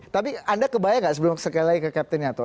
tapi anda kebayang nggak sebelum sekali lagi ke captain nyato